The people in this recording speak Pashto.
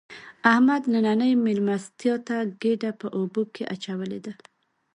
احمد نننۍ مېلمستیا ته ګېډه په اوبو کې اچولې ده.